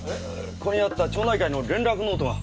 ここにあった町内会の連絡ノートは？